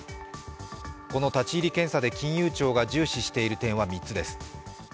この立ち入り検査で金融庁が重視している点は３つです。